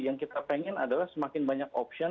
yang kita inginkan adalah semakin banyak option